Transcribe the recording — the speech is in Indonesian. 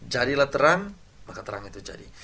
jadilah terang maka terang itu jadi